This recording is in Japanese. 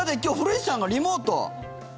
さて、今日古市さんがリモート。